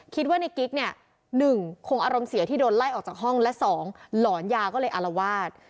คิดว่าในกิ๊กเนี่ย๑คงอารมณ์เสียที่โดนไล่ออกจากห้องและ๒หลอนยาก็เลยอารวาส